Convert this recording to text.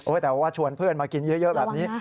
แต่ว่าชวนเพื่อนมากินเยอะแบบนี้